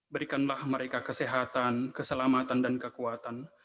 berikanlah mereka kesehatan keselamatan dan kekuatan